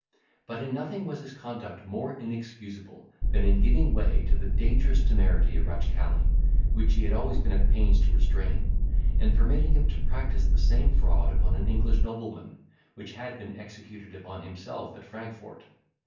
But in nothing was his conduct more inexcusable than in giving way to the dangerous temerity of Ratchcali, which he had been always at pains to restrain, and permitting him to practise the same fraud upon an English nobleman, which had been executed upon himself at Frankfort.